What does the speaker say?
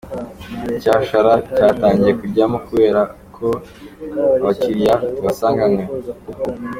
Icyashara cyatangiye kujyamo, kubera ko abakiriya tubasanganywe.